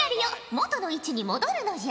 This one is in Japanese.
元の位置に戻るのじゃ。